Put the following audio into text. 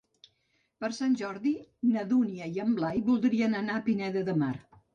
Per Sant Jordi na Dúnia i en Blai voldrien anar a Pineda de Mar.